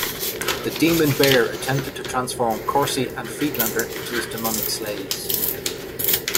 The Demon Bear attempted to transform Corsi and Friedlander into his demonic slaves.